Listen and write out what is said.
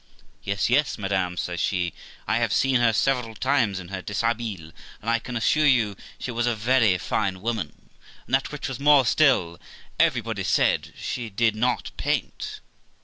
'Yes, yes, madam', says she, 'I have seen her several times in her dishabille. And I can assure you, she was a very fine woman; and that which was more still, everybody said she did not paint.'